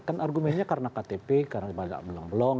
kan argumennya karena ktp karena banyak blong blong